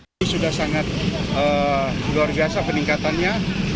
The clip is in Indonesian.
itu sudah sangat luar biasa peningkatannya